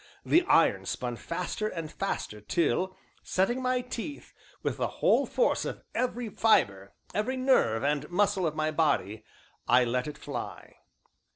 The iron spun faster and faster till, setting my teeth, with the whole force of every fibre, every nerve, and muscle of my body, I let it fly.